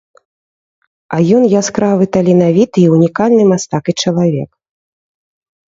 А ён яскравы таленавіты і унікальны мастак і чалавек.